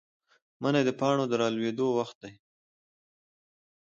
منی د پاڼو د رالوېدو وخت دی.